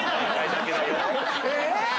⁉え